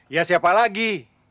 ya siapa lagi